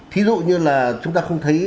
thí dụ như là chúng ta không thấy